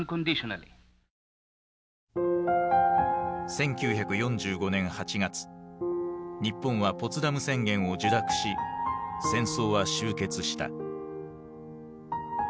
１９４５年８月日本はポツダム宣言を受諾し戦争は終結した。